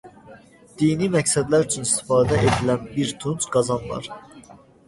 Dini məqsədlər üçün istifadə edilən bir tunc qazan var.